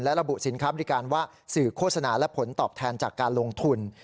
ระบุสินค้าบริการว่าสื่อโฆษณาและผลตอบแทนจากการลงทุน